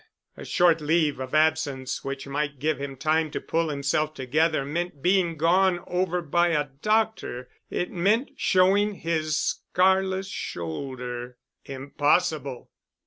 A short leave of absence which might give him time to pull himself together meant being gone over by a doctor—it meant showing his scarless shoulder—impossible!